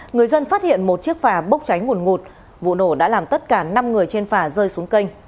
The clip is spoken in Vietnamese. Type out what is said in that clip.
người dân phát hiện một chiếc phà bốc cháy nguồn ngụt vụ nổ đã làm tất cả năm người trên phà rơi xuống kênh